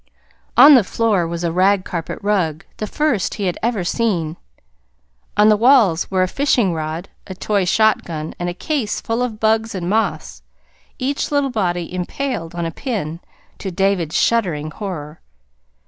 On the floor was a rag carpet rug, the first he had ever seen. On the walls were a fishing rod, a toy shotgun, and a case full of bugs and moths, each little body impaled on a pin, to David's shuddering horror.